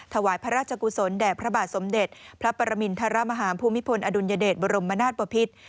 ถวายพระราชกุศลแด่พระบาทสมเด็จพระปรมินทรมาฮาภูมิพลอดุลยเดชบรมนาศปภิษ